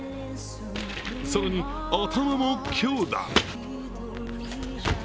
更に頭も強打。